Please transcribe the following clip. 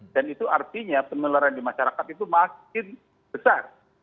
dan itu artinya penularan di masyarakat itu makin besar